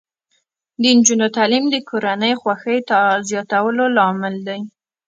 د نجونو تعلیم د کورنۍ خوښۍ زیاتولو لامل دی.